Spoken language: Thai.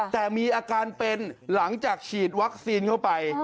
แต่มีอาการเป็นหลังจากฉีดวัคซีนเข้าไป